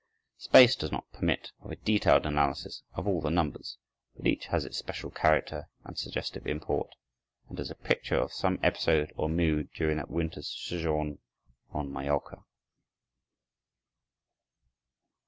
Space does not permit of a detailed analysis of all the numbers, but each has its special character and suggestive import, and is a picture of some episode or mood during that winter's sojourn on Majorca.